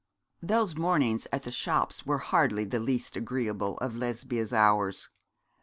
Those mornings at the shops were hardly the least agreeable of Lesbia's hours.